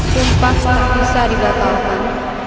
sumpah tak bisa digatalkan